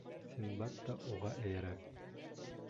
Синдбад та уға эйәрә.